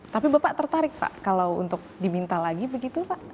tapi bapak tertarik pak kalau untuk diminta lagi begitu pak